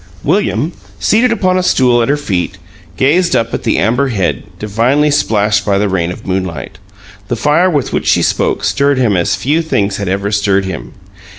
William, seated upon a stool at her feet, gazed up at the amber head, divinely splashed by the rain of moonlight. The fire with which she spoke stirred him as few things had ever stirred him.